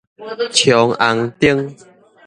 衝紅燈